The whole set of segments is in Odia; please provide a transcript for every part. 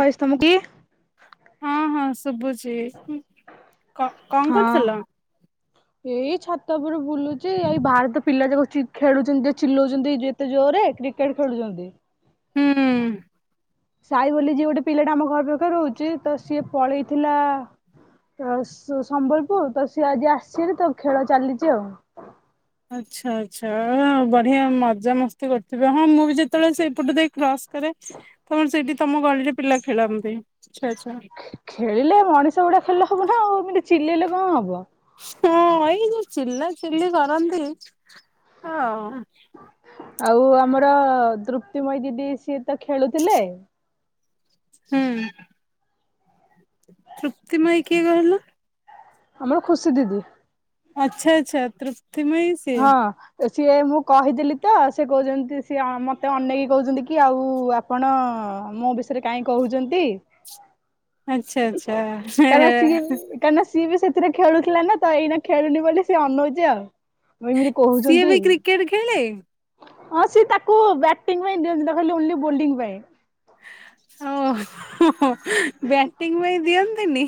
ଭଏସ୍ ତମ କି? ହଁ ହଁ ଶୁଭୁଛି କଣ କଣ ହଁ। କରୁଥୁଲ? ଏଇ ଛାତ ଉପରେ ବୁଲୁଚି ଏଇ ବାହାର ତ ପିଲା ଯା ଖେଳୁଛନ୍ତି ଯେ ଚିଲଉଛନ୍ତି ଯେ ଏତେ ଜୋରରେ କ୍ରିକେଟ ଖେଳୁଚନ୍ତି। ହୁଁ। [unintelligible] ସାଇ ବୋଲି ଯିଏ ଗୋଟେ ପିଲାଟେ ଆମ ଘର ପାଖରେ ରହୁଛି ତ ସିଏ ପଳେଇଥିଲା। ତ ସମ୍ବଲପୁର ତ ସିଏ ଆଜି ଆସିଚି ତ ଖେଳ ଚାଲିଛି ଆଉ। ଆଚ୍ଛା ଆଚ୍ଛା ଆବଢିଆ ମଜା ମସ୍ତି ଗୋଟେ୍ ତ ହଁ ମୁଁ ବି ଯେତେବେଳେ ସେଇପଟ ଦେଇ କ୍ରସ କରେ ତମ ସେଇଠି ତମ ଗଳିରେ ପିଲା ଖେଳନ୍ତି ଆଛା ଆଚ୍ଛା। ଖେଳିଲେ ମଣିଷ ଗୁଡା ଖେଳିଲେ ହବ ନା ଆଉ ଏମିତି ଚିଲେଇଲେ କଣ ହବ। ହଁ ଏଇ ଯୋଉ ଚିଲା ଚିଲି କରନ୍ତି ହଁ। ଆଉ ଆମର ଦୃପ୍ତିମୟୀ ଦିଦି ସିଏ ତ ଖେଳୁଥିଲେ। ହୁଁ। ତୃପ୍ତିମୟୀ କିଏ କହିଲୁ? ଆମର ଖୁସି ଦିଦି। ଆଚ୍ଛା ଆଚ୍ଛା ତୃପ୍ତିମୟୀ। ସିଏ ହଁ। ସିଏ ମୁଁ କହିଥିଲି ତ ସେଏ କହୁଛନ୍ତି ସିଏ ମତେ ଅନେକି କହୁଛନ୍ତି କି ଆଉଆପ୍ ଆପଣ ମୋ ବିଷୟରେ କାହିଁ କହୁଛନ୍ତି। ଆଚ୍ଛା, ଆଚ୍ଛା ହେଁ। କାହିଁକିନା ସିଏ ବି ସେଥିରେ ଖେଳୁଥିଲା ନା ତ ଏଇନା ଖେଳୁନି ବୋଲି ସିଏ ଅନଉଚୁ ଆଉ। ଏମିତି ସିଏ କହୁଛନ୍ତି। ବି କ୍ରିକେଟ ଖେଳେ? ହଁ ସିଏ ତାକୁ ବ୍ୟାଟିଂ ପାଇଁ ଦିଅନ୍ତିନି, ତାକୁ ଖାଲି ଓନ୍ଲି ବୋଲି ପାଇଁ। ଓ ହଁ, ହଁ। ବ୍ୟାଟିଂ ପାଇଁ ଦିଅନ୍ତିନି।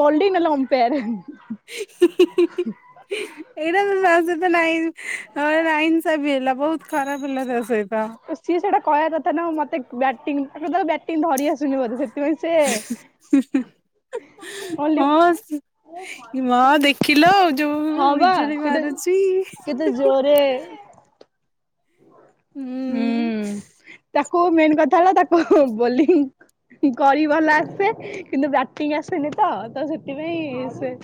ହଲଡି ନଲେ ଅମ୍ପେୟାର୍। ହଁ ଏଇଟା ତ ତା ସହିତ ନାହିଁ ହଁ ଏ ନାଇନସାଫି ହେଲା, ବହୁତ ଖରାପ ହେଲା ତା ସହିତ। ତ ସିଏ ସେଇଟା କହିବା କଥା ନା ମୋତେ ବ୍ୟାଟିଂ ତାକୁ ଧର ବ୍ୟାଟିଂ ଧରି ଆସୁନି ବୋଧେ, ସେ [inaudible] ଭଲିମ୍ୟୁ ଏ ମା ଦେଖିଲ ଯୋଉ ହଁ ବା ବିଜୁଳି କେତେ ମାରୁଚି। କେତେ ଜୋରେ। ହୁଁ, ତାକୁ ମେନ୍ କଥା ହେଲା ତାକୁ ବୋଲିଙ୍ଗ୍ କରି ଭଲ ଆସେ। କିନ୍ତୁ ବ୍ୟାଟିଂ ଆସେନି ତ, ତ ସେଥିପାଇଁ ସେ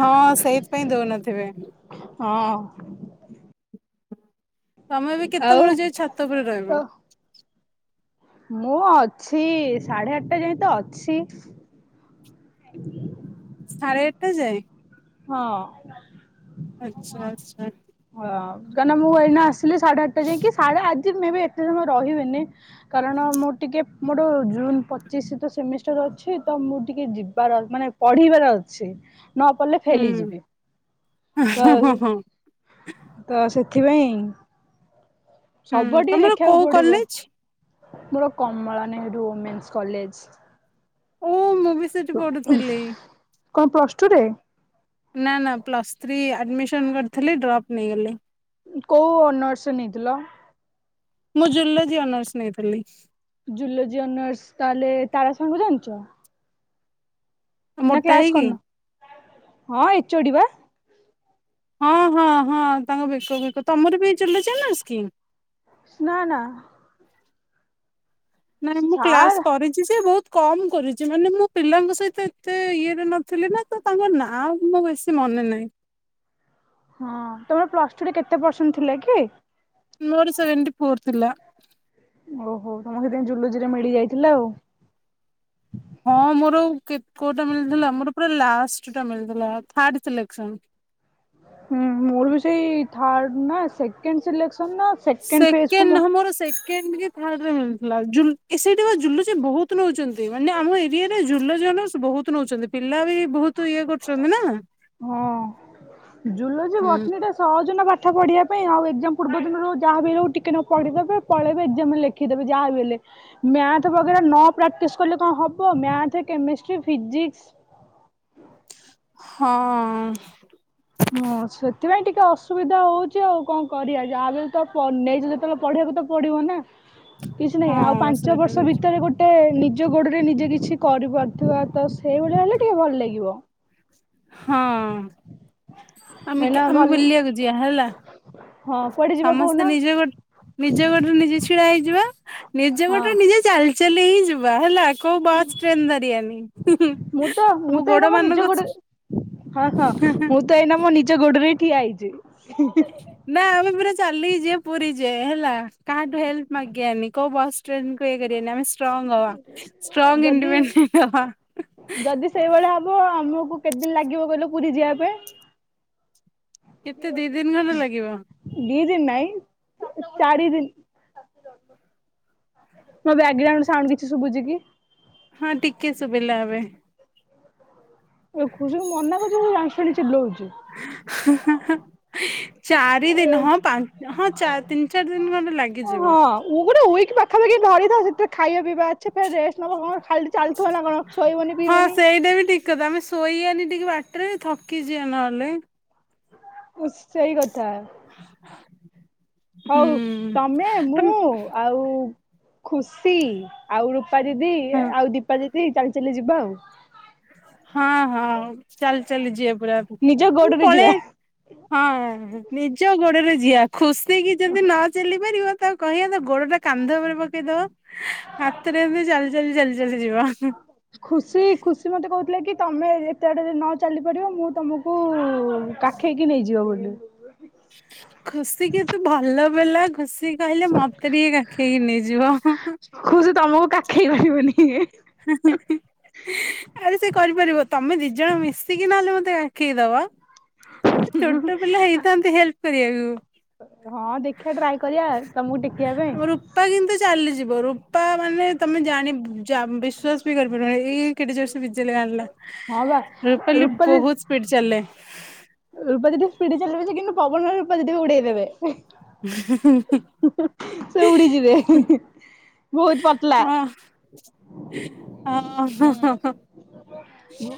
ହଁ ସେଇଥିପାଇଁ ଦଉନଥିବେ। ହଁ। ତୋମେ ଏବେ ଆଉ କେତେବେଳେ ଯାଏଁ ଛାତ ଉପରେ ରହିବ? ତ ମୁଁ ଅଛି ସାଢେ ଆଟା ଯାଏଁ ତ ଅଛି। [inaudible] ସାଢ଼େ ଆଟା ଯାଏଁ? ହଁ। ଆଚ୍ଛା, ଆଚ୍ଛା। ହଁ କାହିଁକିନା ମୁଁ ଏଇନା ଆସିଲି ସାଢେ ଆଟା ଯାଏଁକି, ସାଢେ ଆଜି ମେ ବି ଏତେ ସମୟ ରହିବିନି। କାରଣ ମୁଁ ଟିକେ ମୋର ଜୁନ୍ ପଚିଶ ତ ସେମିଷ୍ଟାର ଅଛି। ତ ମୁଁ ଟିକେ ଯିବାର ମାନେ ପଢ଼ିବାର ଅଛି। ନ ପଡଲେ ଫେଲ୍ ହୁଁ। ହେଇଯିବି, ତ ହଁ ହଁ ହଁ। ତ ସେଥିପାଇଁ। ହୁଁ, ସବୁଆଡେ ଟିକେ ତୋମର ଦେଖିବାକୁ କୋଉ ପଡିବ କଲେଜ୍? ମୋର କମଳା ନେହେରୁ ଓମେନ୍ସ କଲେଜ୍। ଓ ମୁଁ ବି ସେଠି ପଢୁଥିଲି। କଣ ପ୍ଲସ ଟୁ ରେ ନା ନା ପ୍ଲସ୍ ଥ୍ରୀ ଆଡ଼ମିସନ୍ କରିଥିଲି ଡ୍ରପ୍ ନେଇଗଲି। ଉଁ, କୋଉ ଅନର୍ସ ନେଇଥିଲ? ମୁଁ ଜୁଲୋଜି ଅନର୍ସ ନେଇଥିଲି। ଜୁଲୋଜି ଅନର୍ସ ତାହେଲେ ତାରା ସାର୍ ଙ୍କୁ ଜାଣିଚ? ନା ମୋଟା କ୍ଲାସ୍ ହେଇକି। କରିନ? ହଁ ଏଚ ଓ ଡି ବା। ହଁ, ହଁ, ହଁ ତାଙ୍କ ବେକ ବେକ, ତୋମର ବି ଜୁଲୋଜି ଅନର୍ସ କିି? ନା ନା। ନାଇଁ ମୁଁ କ୍ଲାସ୍ ସାର୍ କରି ଚି, ସେ ବହୁତ କମ କରିଚି, ମାନେ ମୁଁ ପିଲାଙ୍କ ସହିତ ଏତେ ଇଏରେ ନଥିଲି ନା ତ ତାଙ୍କ ନାଁ ଆଉ ମୁଁ ବେଶୀ ମନେ ନାହିଁ। ହଁ ତୋମେ ପ୍ଲସ୍ ଟୁ ରେ କେତେ ପରସେଣ୍ଟ ଥିଲା କି? ମୋର ସେଭେଣ୍ଟି ଫୋର୍ ଥିଲା। ଓହୋ ତମ ସେଥିପାଇଁ ଜୁଲୋଜିରେ ମିଳିଯାଇଥିଲା ଆଉ। ହଁ ମୋର କେ କୋଉଟା ମିଳିଥିଲା ମୋର ପୁରା ଲାଷ୍ଟଟା ମିଳିଥିଲା ଥାର୍ଡ୍ ସିଲେକ୍ସନ। ହୁଁ ମୋର ବି ସେଇ ଥାର୍ଡ ନା ସେକେଣ୍ଡ ସିଲେକ୍ସନ ନା ଫେଜ କୁ ସେକେଣ୍ଡ ମୁଁ ନୁହଁ ମୋର ସେ କେଣ୍ଡ କି ଥାର୍ଡରେ ମିଳିଥିଲା ଜୁ ଏ ସେଇଠି ପା ଜୁଲୋଜି ବୋହୁତ ନୋଉଚନ୍ତି ମାନେ ଆମ ଏରିଆରେ ଜୁଲୋଜି ଅନର୍ସ୍ ବୋହୁତ ନୋଉଚନ୍ତି ପିଲା ବି ବୋହୁତ ଇଏ କରୁଚନ୍ତି ନା। ହଁ ଜଲୋଜି ହୁଁ ବଟନିଟା ସହଜ ନା ପାଠ ପଢ଼ିବା ପାଇଁ ଆଉ ଏଗଜାମ ପୂର୍ବ ଦିନରୁ ଯାହା ବି ହୋଇଯାଉ ଟିକେ ନାକୁ ପଢିଦବୁ ପଳେଇବେ ଏଗଜାମ ଲେଖ ଖିଦେବେ ଯାହା ବି ହେଲେ। ମ୍ୟାଥ ବଗେରା ନ ପ୍ରାକ୍ଟିସ୍ କଲେ କଣ ହବ ମ୍ୟାଥେ କେମେଷ୍ଟ୍ରି ଫିଜିକ୍ସ। ହଁଅଁ। ହୁଁ ସେଥିପାଇଁ ଟିକେ ଅସୁବିଧା ହୋଉଚି ଆଉ କଣ କରିବା ଯାହାବି ହେଲେ ତ ପ ନେଇଚ ଯେତେବେଳେ ପଢିବାକୁ ତ ପଡିବ ନା କିଛି ନାହିଁ ଆଉ ହଁ ପାଞ୍ଚ ସେଇଟା ବି ବର୍ଷ ଭିତରେ ଗୋ ଟେ ନିଜ ଗୋଡରେ ନିଜେ କିଛି କରିପାରୁଥିବା ତ ସେଇଭଳିଆ ହେଲେ ଟିକେ ଭଲ ଲାଗିବ। ହଁ ଆମେ ଆମେ ଏଇନା କା ଘଲ ବୁଲିବାକୁ ଯିବା ହେଲା। ହଁ କୁଆଡେ ଯିବା କହୁନ ସମସ୍ତେ ନେଇଯିବେ ଗୋ ନିଜ ଗୋଡରେ ନିଜେ ଛିଡା ହେଇଯିବା ନିଜେ ହଁ ବାଟରେ ନିଜେ ଚାଲି ଚାଲିକି ଯିବା ହେଲା କୋଉ ବାସ୍ ଟ୍ରେନ୍ ଧରିଆନି ହୁଁ ହୁଁ ମୁଁ ତ ମୁଁ ଆମ ତ ଗୋଡ ଏଇନା ମୋ ନିଜ ମାନଙ୍କୁ ଗୋଡରେ ହଁ ହଁ ମୁଁ ତ ଏଇନା ମୋ ନିଜ ଗୋଡରେ ହିଁ ଠିଆ ହେଇଚି। ନା ଆମେ ପୁରା ଚାଲିକି ଯିବା ପୁରୀ ଯାଏ ହେଲା କାହାଠୁ ହେଲ୍ପ ମାଗିଆନି କୋଉ ବସ ଟ୍ରେନକୁ ଇଏ କରିବାନି ଆମେ ଷ୍ଟ୍ରଙ୍ଗ ହବା ଷ୍ଟ୍ରଙ୍ଗ ଇଣ୍ଡିପେଣ୍ଡେଣ୍ଟ୍ ହବା। ସେଇଭଳି ହବ ଆଉ ଆମକୁ କେତେ ଦିନ ଲାଗିବ କହିଲ ପୁରୀ ଯିବା ପାଇଁ? କେତେ ଦିଇ ଦିନ ଖଣ୍ଡେ ଲାଗିବ। ଦିଇ ଦିନ ନାଇ ଚାରି ଦିନ ମୋ ବ୍ୟାଗ୍ରାଉଣ୍ଡ ସାଉଣ୍ଡ କିଛି ଶୁଭୁଚି କି? ହଁ ଟିକେ ଶୁଭିଲା ଆବେ। ଯେ ମୁଁ ମନା କରୁଚି ସେ ଜାଣିଶୁଣି ଚିଲୋଉଚି। ହାଁ ହାଁ ହାଁ। ଚାରି ଦିନ ହଁ ପା ହଁ ଚା ତିନ ଚାର ଦିନ ଖଣ୍ଡେ ଲାଗିଯିବ। ମୁଁ ଗୋଟେ ଉଇକ ପାଖାପାଖି ଧରିଥା ସେଥିରେ ଖାଇବା ପିଇବା ସେ ଫେରେ ରେଷ୍ଟ ନବ କଣ ଖାଲି ଚାଲଥୁବ ନା କଣ ଶୋଇବନି ହଁ ପିଇବନି ସେଇଟା ବି ଠିକ କ କଥା ଆମେ ଶୋଇବାନି ଟିକେ ବାଟରେ ଥକିଯିବା ନହେଲେ। ଓ ସେଇ କଥା। [inaudible] ହୋଉ ତମେ, ତମେ ମୁଁ ଆଉ ଖୁସି ଆଉ ରୂପା ଦିଦି ହଁ ଏ ଆଉ ଦୀପା ଦି ଦି ଚାଲିଚାଲି ଯିବା ଆଉ। ହଁ ହଁ ଚାଲିଚାଲି ଯିବା ନିଜ ପୁରା ଆମେ ଗୋଡରେ ଯିବା ପଳେଇ ଆଇ ହଁ ନିଜ ଗୋଡରେ ଯିଅ ଖୁସି ହେଇକି ଯଦି ନ ଚାଲି ପାରିବ ତାକୁ କହିବନି ତା ଗୋଡଟା କାନ୍ଧ ଓପରେ ପକେଇଦବ ହାତରେ ଏମତି ଚାଲିଚାଲି ଚାଲିଚାଲି ଯିବ। ଖୁସି ଖୁସି ମତେ କୋହୁଥିଲେ କି ତମେ ଏତେ ବାଟ ଯଦି ନ ଚାଲିପାରିବ ମୁଁ ତମ କୁ କାଖେଇକି ନେଇଯିବ ବୋଲି। ଖୁସି କିତୁ ଭଲ ପିଲା ଖୁସି କହିଲେ ମତେ ଟିକେ କାଖେଇକି ନେଇଯିବ ହଁ ହଁ। କହୁଚି ତମକୁ କାଖେଇ ପାରିବନି ଇଏ। ହ [inaudible] ଆରେ ସେ କରିପାରିବ ତମେ ଦି ଜଣ ମିଶିକି ନହେଲେ ମତେ କାଖେଇ ଦବ। ଛୋଟ ପିଲା ହେଇଥାନ୍ତି ହେଲପ କରିବାକୁ। ହଁ ଦେଖିବା ଟ୍ରାଏ କରିବା ତମକୁ ଟେକିବା ପାଇଁ। ଆମ ରୂପା କିନ୍ତୁ ଚାଲିଯିବ ରୂପା ମାନେ ତମେ ଜାଣି ଯା ବିଶ୍ଵାସ ବି କରିପାରିବନି ଏଇ କେଡେ ଜୋର ସେ ବିଜେଲ ଆଣିଲା ହଁ ବା ରୁପାଲୀ ରୂପା ଦି ବହୁତ ସ୍ପିଡ ଚାଲେ। ରୂପା ଦିଦି ସ୍ପିଡ଼ ଚାଲିବ ଯେ କିନ୍ତୁ ପବନନା ରୂପା ଦିଦିକୁ ଉଡେଇ ଦେବେ। ହ ସେ ଉଡିଯିବେ [inaudible] ବହୁତ ପତଲା। ଅ ହ ହ ହ।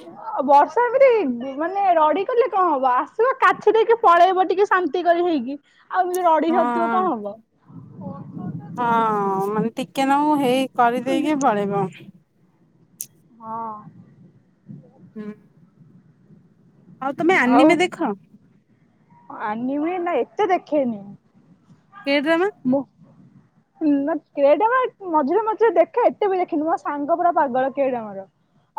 ଆଉ ବର୍ଷା ଏମତି ମାନେ ରଡି କଲେ କଣ ହବ ଆସିବ କାଛି ଦେଇକି ଟିକେ ପଳେଇବ ଟିକେ। ଶାନ୍ତି କରି ହେଇକି। ଆଉ ଏମିତି ରଡି ହଁ ଧରିଥିବ କଣ ହବ ହଁ ମାନେ ଟିକେ ନାକୁ ହେଇ କରିଦେଇକି ଦେଖ ପଳେଇବ। ହଁ। ହୁଁ। ଆଉ ତମେ ଆଉ ଆନିମେ ଦେଖ? ଆନିମେ ନା ଏତେ ଦେଖେନି। [unintelligible] ମୁଁ। କେ ଡମା ମଝିରେ ମଝିରେ ଦେଖେ ଏତେ ବି ଦେଖିନୁ ମୋ ସାଙ୍ଗ ପୁରା ପାଗଳ କେଡମାର।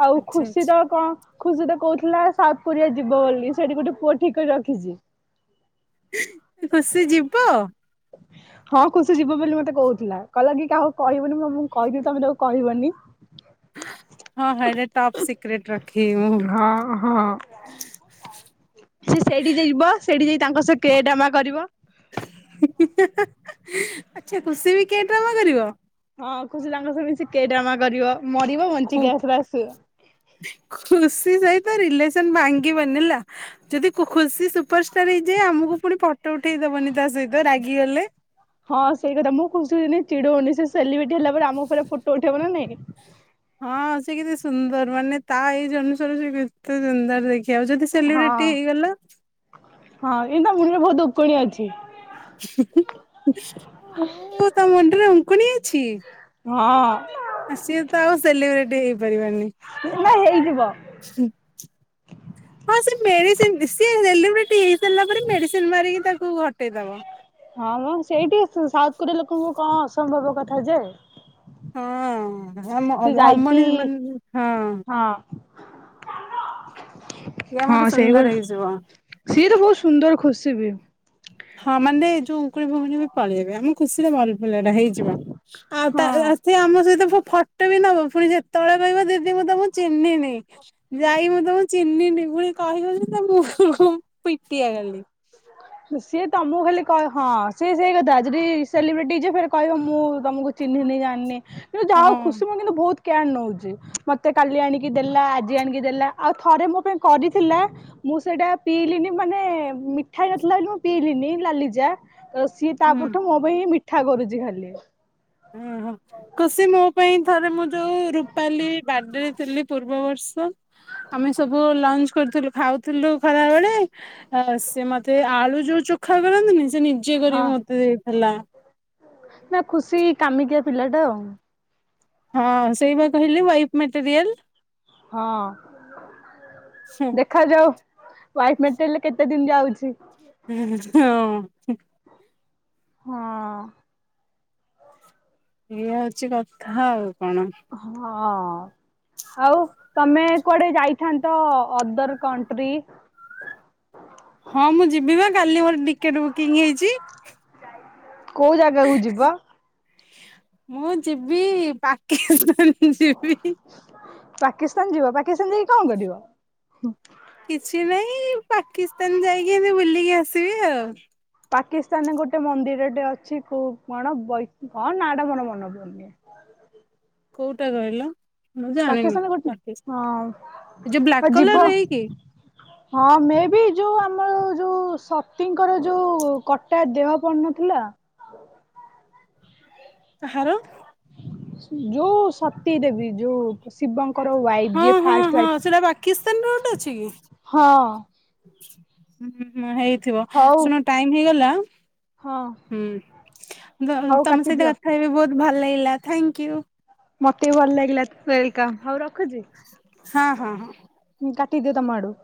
ଆଉ ଆଚ୍ଛା ଖୁସି ଆଚ୍ଛା। ତଳ କଣ? ଖୁସି ତ କହୁଥିଲା ସାଉଥ କୋରିଆ ଯିବ ବୋଲି ସେଇଠି ଗୋଟେ ପୁଅ ଠିକ ରଖିଛି। ଖୁସି ଯିବ। ହଁ ଖୁସି ଯିବ ବୋଲି ମତେ କହୁଥିଲା କହିଲ କି କାହାକୁ କହିବୁନି ମୁଁଁ କହିଦେଲି ତମେ ତାକୁ କହିବନି। ହଁ ହଁ ହେୟାର ଟପ ସିକ୍ରେଟ ରଖିବି ମୁଁ। ଓ ହଁ। ସେ ସେଇଠି ଯାଇିବ ସେଇଠି ଯାଇ ତାଙ୍କ ସହ କେ ଡାମା କରିବ। ଆଚଛା ଖୁସି ବି କେ ଡ୍ରାମ କରିବ। ହଁ ଖୁସିି ତାଙ୍କ ସହ ମିଶି କେଡାମା କରିବ ମରିବ ଖୁ ବଞ୍ଚିକି ଆସିଲେ ଆସିବ। ଖୁସି ସହିତ ରିଲେସନ ଭାଙ୍ଗିବନି ହେଲା। ଯଦି ଖୁସି ସୁପରଷ୍ଟାର ହେଇଯାଏ ଆମକୁ ପୁଣି ଫଟୋ ଉଠେଇଦବନି ତା ସହିତ ରାଗିଗଲେ। ହଁ ସେଇ କଥା ମୁଁ ଖୁସିକୁ ନେଇ ଚିଡଉନି ସେଲିବ୍ରେଟି ହେଲା ପରେ ଆମ ଉପରେ ଫଟୋ ଉଠେଇବ ନା ନାଇଁ। ହଁ ସେ କେତେ ସୁନ୍ଦର ମାନେ ତା ଏଜ୍ ଅନୁସାରେ ସେ କେତେ ସୁନ୍ଦର ଦେଖ ଆଉ ଯଦି ହଁ ସେଲିବ୍ରିଟି ହେଇଗଲା ହଁ ଏଇ ତା ମୁଣ୍ଡରେ ବହୁତ ଦୋ କଡିଆ ଅଛି। ତା ମୁଣ୍ଡରେ ଅଙ୍କୁଣୀ ଅଛି। ହଁ ସିଏ ତ ଆଉ ସେଲିବ୍ରେଟି ହେଇପାରିବାନି। ନା ହେଇଯିବ। [inaudible] ହଁ ସେ ମେଡିସିନ ସିଏ ସେଲିବ୍ରିଟୀ ହେଇ ସାରିଲା ପରେ ମେଡିସିନ ମାରିକି ତାକୁ ହଟେଇଦବ। ହଁ ମ ସେଇଠି ସାଉଥ କୋରିଆ ଲୋକଙ୍କୁ କଣ ଅସମ୍ଭବ କଥା ଯେ ହଁ ସେ ଯାଇକି ଅମଣିଷ ମାନ ହଁ। ହଁ ଇଏ ହଁ ଆମର ସୁନ୍ଦର ସେଇଭଳି ହେଇଯିବ। ସିଏ ତ ବହୁତ ସୁନ୍ଦର ଖୁସି ବି। ହଁ ମାନେ ଏଇ ଯୋଉ ଉକୁଣି ଫୁକୁଣୀ ବି ପଳେଇବେ ଆମ ଖୁସିରେ ଭଲ ପିଲା ଟା ହେଇଯିବ ଆଉ ତା ହଁ। ଆ ସେ ଆମ ସହିତ ଫ ଫଟ ବି ନବ ପୁଣି ଯେତେବେଳେ କହିବ ଦିଦି ମୁଁ ତମକୁ ଚିହ୍ନିନି। ଯାଇ ମୁଁ ତମ ଚିହ୍ନିନି [unintelligible] ମୁ ପିଟିଆ କାଲି। ସିଏ ତମକୁ ଖାଲି କ ହଁ ସେ ସେଇ କଥା ଯଦି ସେଲିବ୍ରିଟି ଯେ କହିବ ମୁଁ ତମକୁ ଚିହ୍ନିନି ଜାଣିନି କିନ୍ତୁ ଯାଉ ଖୁସି ହଁ ମୁଁ କିନ୍ତୁ ବହୁତ କେୟାର ନଉଚି ମତେ କାଲି ଆଣିକି ଦେଲା ଆଜି ଆଣିକି ଦେଲା ଆଉ ଥରେ ମୋ ପାଇଁ କରିଥିଲା ମୁଁ ସେଇଟା ପିଇଲିନି ମାନେ ମି ଠା ହେଇ ନଥିଲା ବୋଲି ମୁଁ ପିଇଲିନି ଲାଲି ଚା ତ ସିଏ ହୁଁ ତାପଟୁ ମୋ ପାଇଁ ମିଠା କରୁଛି ଖାଲି। ଉହୁଁ ଖୁସି ମୋ ପାଇଁ ଥରେ ମୁଁ ଯୋଉ ରୁପାଲି ବାର୍ଡରେ ଥିଲି ପୂର୍ବ ବର୍ଷ ଆମେ ସବୁ ଲଞ୍ଚ କରଥିଲୁ ଖାଉଥିଲୁ ଖରା ବେଳେ ହେଲା ସେ ମତେ ଆଳୁ ଯୋଉ ଚୋଖା କରନ୍ତିନି ସେ ନିଜେ ହଁ କରିକି ମତେ ଦେଇଥିଲା। ନା ଖୁସି କାମିକିଆ ପିଲା ଟା ଆଉ। ହଁ ସେଇବା କହିଲି ୱାଇଫ୍ ମେଟେରିଆଲ ହଁ ହଁ ଦେଖାଯାଉ ୱାଇଫ ମେଟେରାଲ କେତେ ଦିନୀ ଯାଉଚି। [inaudible] ହଁ। ହଁ। ଏଇଆ ହଉଚି କଥା ଆଉ କଣ। ହଁ ଆଉ ତମେ କୁଆଡେ ଯାଇ ଥାନ୍ତ ଅଦର କଣ୍ଟ୍ରି। ହଁ ମୁଁ ଯିବି ବା କାଲି ମୋର ଟିକେଟ ବୁକିଂ ହେଇଚି। କୋଉ ଜାଗାକୁୁ ଯିବ। ମୁଁ ଯିବି ପାକିସ୍ତାନ ଯିବି। ପାକିସ୍ତାନ ଯିବ ପାକିସ୍ତାନ ଯାଇକି କଣ କରିବ। କିଛି ନାଇଁ ପାକିସ୍ତାନ ଯାଇକି ଏବେ ବୁଲିକି ଆସିବି ଆଉ। ପାକିସ୍ତାନ ରେ ଗୋଟେ ମନ୍ଦିରଟେ ଅଛି ଖୁ କଣ ବୈ କଣ ନା ଟା ମନ [unintelligible] କୋଉଟା କଇଲ ମୁଁ ଜାଣିନି ପାକିସ୍ତାନ ଗୋଟେ ପାକି [inaudible] ଏଇ ହଁ ଯୋଉ ଆଉ ବ୍ଲାକ୍ ଯିବ କଲର ହେଇକି? ହଁ ମେ ବି ଯୋଉ ଆମର ଯୋଉ ସତୀଙ୍କର ଯୋଉ କଟା ଦେହ ପଡନଥିଲା। କାହାର? ଯୋଉ ସତୀ ଦେବୀ ଯୋଉ ଶିବଙ୍କର ୱାଇପ ହଁ ଯିଏ ହଁ ଫାଷ୍ଟ ହଁ ସେଟା ପାକିସ୍ତାନର ଗୋଟେ ୱାଇଫ୍ ଅଛି କି? ହଁ। ହୁଁ ହୁଁ ହେଇଥିବ ହଉ ଶୁଣ ଟାଇମ ହେଇଗଲା ହଁ ହୁଁ ଦ ହଉ ତମ ସହିତ କାଟିଦିଅ। କଥା ହେଇକି ବୋହୁତ ଭଲ ଲାଗିଲା ଥାଙ୍କ୍ୟୁ। ମତେ ବି ଭଲ ଲାଗିଲା ୱେଲକମ୍ ହୋଉ ରଖୁଚି। ହଁ ହଁ। ଉଁ କଟିଦିଅ ତମ ଆଡୁ।